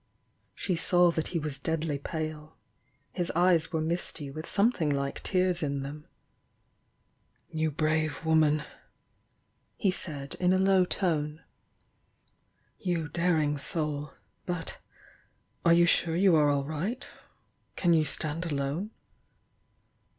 " She 89W that he was deadly pale — his eyes were misty with something like tears in them. "ifou brave woman!" he said, in a low tone — "You daring soul!— But— are you sure you are all right? — Can you stand alone?"